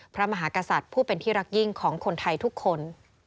พระมหากษัตริย์ผู้เป็นที่รักยิ่งของคนไทยทุกคน